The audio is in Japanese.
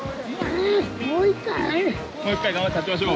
もう１回頑張って立ちましょう。